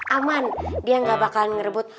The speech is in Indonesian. aman dia nggak bakal ngerebut